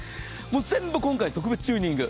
全部今回、特別チューニング。